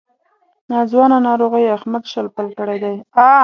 ناځوانه ناروغۍ احمد شل پل کړی دی.